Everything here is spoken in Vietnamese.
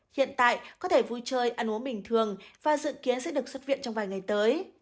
hiện tại có thể vui chơi ăn uống bình thường và dự kiến sẽ được xuất viện trong vài ngày tới